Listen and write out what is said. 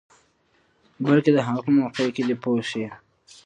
بلکې د هغه په موقع کې دی پوه شوې!.